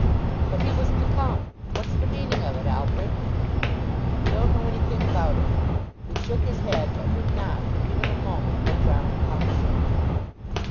"But he was to come. What's the meaning of it, Alfred?" "Don't know anything about it." He shook his head but would not, for even a moment, look round upon the room.